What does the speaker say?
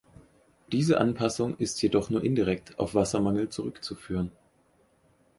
Diese Anpassung ist jedoch nur indirekt auf Wassermangel zurückzuführen.